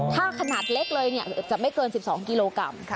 ถ้าขนาดเล็กเลยจะไม่เกิน๑๒กิโลกรัม